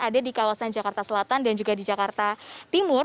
ada di kawasan jakarta selatan dan juga di jakarta timur